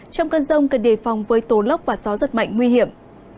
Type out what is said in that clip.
trong cơn rông cần đề phòng với tố lốc và gió giật mạnh nguy hiểm